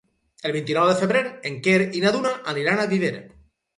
El vint-i-nou de febrer en Quer i na Duna aniran a Viver.